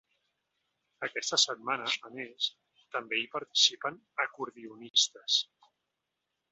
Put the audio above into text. Aquesta setmana, a més, també hi participen acordionistes.